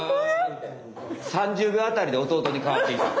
３０秒あたりでおとうとに変わっていった。